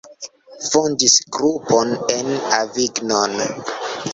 Fondis grupon en Avignon.